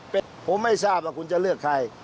ผมไม่ทราบว่าคุณจะเลือกใคร